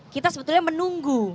kita sebetulnya menunggu